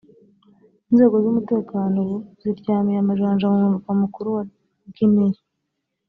Inzego z’umutekano ubu ziryamiye amajanja mu murwa mukuru wa Guinée